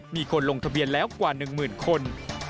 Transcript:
มีคนลงทะเบียนแล้วกว่า๑หมื่นคน